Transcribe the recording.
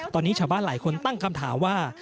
ตอนนี้ชาวบ้านหลายคนตั้งคำถามว่า